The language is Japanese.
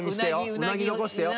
うなぎ残してよ。